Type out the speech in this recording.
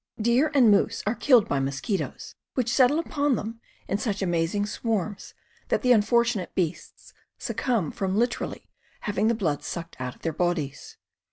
Deer and PESTS OF THE WOODS 167 moose are killed by mosquitoes, which settle upon them in such amazing swarms that the unfortunate beasts succumb from literally having the blood sucked out of their bodies.